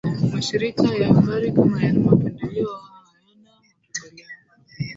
Mashirika ya habari kama yana mapendeleo au hayana mapenmdeleo